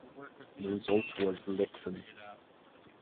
The result was Lexcen.